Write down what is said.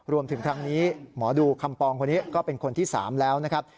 รวมถึงครั้งนี้หมอดูคำปองคนนี้ก็เป็นคนที่๓แล้วนะครับ